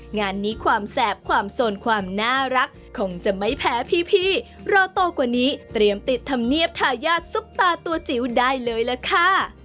งานนี้ความแสบความสนความน่ารักคงจะไม่แพ้พี่รอโตกว่านี้เตรียมติดธรรมเนียบทายาทซุปตาตัวจิ๋วได้เลยล่ะค่ะ